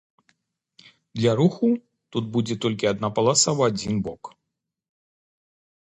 Для руху тут будзе толькі адна паласа ў адзін бок.